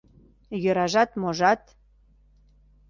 Йӧражат-можат...